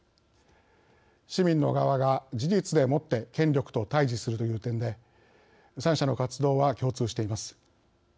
市民の側が事実でもって権力と対じするという点で３者の活動は共通しています。